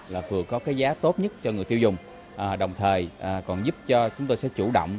là vừa có cái giá tốt nhất cho người tiêu dùng đồng thời còn giúp cho chúng tôi sẽ chủ động